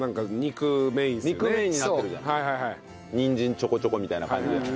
にんじんちょこちょこみたいな感じじゃない。